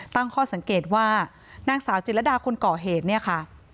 ตั้งข้อสังเกตว่านางสาวจิรดาคนก่อเหตุเนี่ยค่ะ